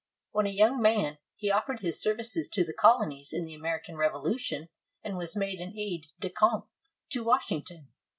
When a young man, he offered his services to the colonies in the American Revolution, and was made an aide de camp to Washington.